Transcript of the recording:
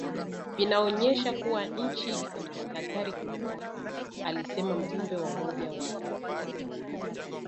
vinaonyesha kuwa nchi iko kwenye hatari kubwa alisema mjumbe wa Umoja wa Afrika